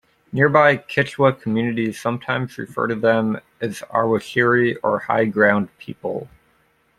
Nearby Kichwa communities sometimes refer to them as Awashiri, or "high-ground people".